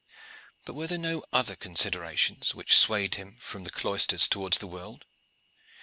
But were there no other considerations which swayed him from the cloisters towards the world?